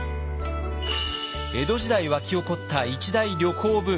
江戸時代沸き起こった一大旅行ブーム。